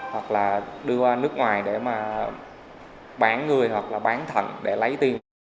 hoặc là đưa ra nước ngoài để mà bán người hoặc là bán thận để lấy tiền